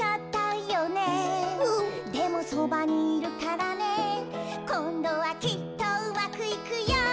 「でもそばにいるからねこんどはきっとうまくいくよ！」